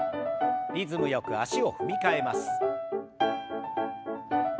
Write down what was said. リズムよく足を踏み替えます。